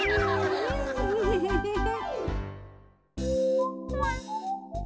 フフフフフ。